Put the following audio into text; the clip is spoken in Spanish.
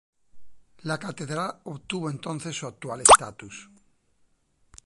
La catedral obtuvo entonces su actual estatus.